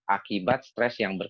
akibat stres yang berlebihan